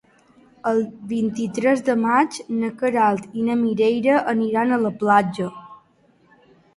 El vint-i-tres de maig na Queralt i na Mireia aniran a la platja.